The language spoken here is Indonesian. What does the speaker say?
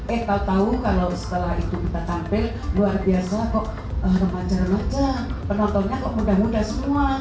eh tau tau kalau setelah itu kita tampil luar biasa kok remaja remaja penontonnya kok mudah mudahan semua